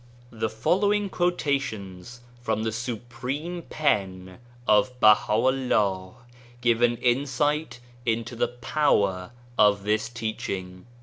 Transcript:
The following quotations from the * Supreme Pen ' of Baha' u' llah, give an insight into the power of this teaching.